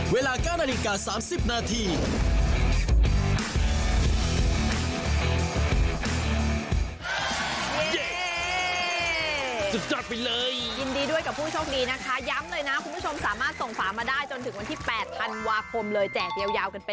เวลา๙นาฬิกา๓๐นาที